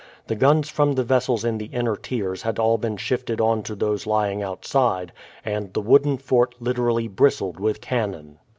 The guns from the vessels in the inner tiers had all been shifted on to those lying outside, and the wooden fort literally bristled with cannon.